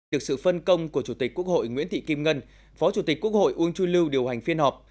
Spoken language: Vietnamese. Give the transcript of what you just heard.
được sự phân công của chủ tịch quốc hội nguyễn thị kim ngân phó chủ tịch quốc hội uông chu lưu điều hành phiên họp